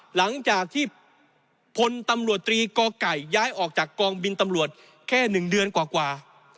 หลังจากที่พลตำรวจตรีกไก่ย้ายออกจากกองบินตำรวจแค่๑เดือนกว่า